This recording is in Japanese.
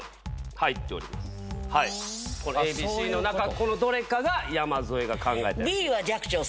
ＡＢＣのどれかが山添が考えたやつ。